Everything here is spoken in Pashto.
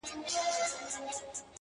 پاچا که د جلاد پر وړاندي، داسي خاموش وو